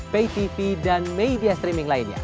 pay tv dan media streaming lainnya